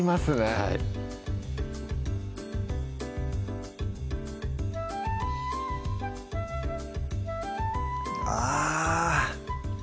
はいあ